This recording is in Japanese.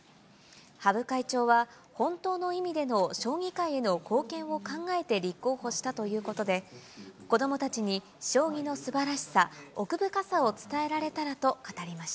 羽生会長は本当の意味での将棋界への貢献を考えて立候補したということで、子どもたちに将棋のすばらしさ、奥深さを伝えられたらと語りまし